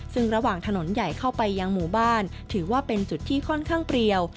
ซึ่งระหว่างถนนใหญ่เข้าไปยังหมู่บ้านถือว่าเป็นจุดที่ค่อนข้างเปรียว